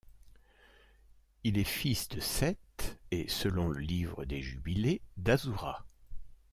Il est fils de Seth et, selon le livre des Jubilés, d'Azura.